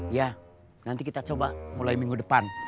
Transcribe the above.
iya nanti kita coba mulai minggu depan